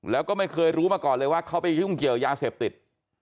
แล้วก็ไม่เคยรู้มาก่อนเลยว่าเขาไปยุ่งเกี่ยวยาเสพติด